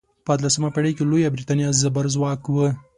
په اتلسمه پیړۍ کې لویه بریتانیا زبرځواک وه.